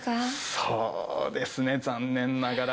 そうですね、残念ながら。